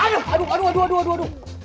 aduh aduh aduh aduh aduh aduh aduh